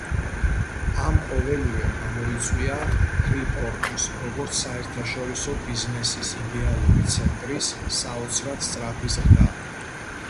ამ ყოველივემ გამოიწვია ფრიპორტის, როგორც საერთაშორისო ბიზნესის იდეალური ცენტრის საოცრად სწრაფი ზრდა.